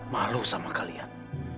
malu sama kalian